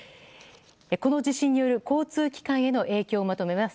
この地震による交通機関への影響をまとめます。